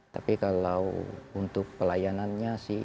tapi kalau untuk pelayanannya